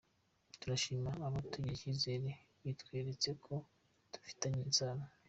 Turashima abatugirye icyizere bitweretse ko dufitanye isano.